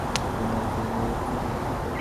তিনি আত্মজীবনীতে উল্লেখ করেছেন।